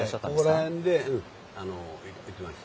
ここら辺で見ていました。